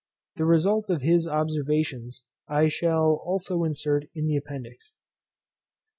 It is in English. The result of his observations I shall also insert in the Appendix.